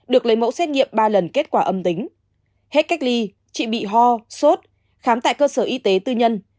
được lấy mẫu xét nghiệm ba lần kết quả âm tính hết cách ly chị bị ho sốt khám tại cơ sở y tế tư nhân